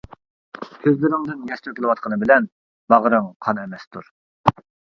كۆزلىرىڭدىن ياش تۆكۈلۈۋاتقىنى بىلەن باغرىڭ قان ئەمەستۇر.